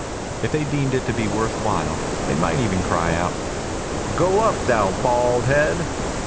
If they deemed it to be worth while they might even cry out, "Go up, thou bald head!"